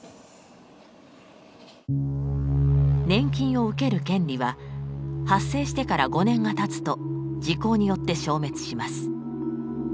年金を受ける権利は発生してから５年がたつと時効によって消滅します。